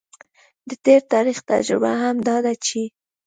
د تیر تاریخ تجربه هم دا ده چې